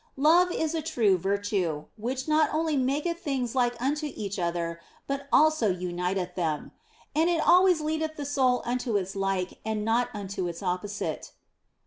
Love is a true virtue, which not only maketh things like unto each other but also uniteth them, and it always leadeth the soul unto its like and not unto its opposite.